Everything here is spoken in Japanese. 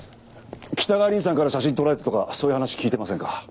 北川凛さんから写真撮られたとかそういう話聞いてませんか？